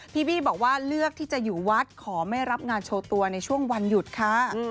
พี่บี้บอกว่าเลือกที่จะอยู่วัดขอไม่รับงานโชว์ตัวในช่วงวันหยุดค่ะ